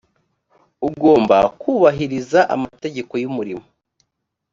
ugomba kubahiriza amategeko y’ umurimo